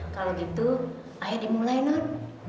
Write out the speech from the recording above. kalau gitu ayo dimulai non